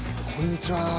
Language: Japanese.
こんにちは。